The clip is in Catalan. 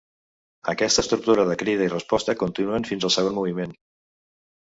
Aquesta estructura de crida i resposta continua fins al segon moviment.